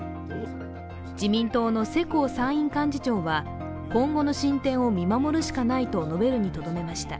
自民党の世耕参院幹事長は、今後の進展を見守るしかないと述べるにとどめました。